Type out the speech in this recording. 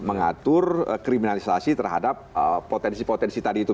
mengatur kriminalisasi terhadap potensi potensi tadi itu